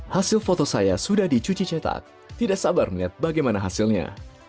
hasil foto saya sudah dicuci cetak tidak sabar melihat bagaimana hasilnya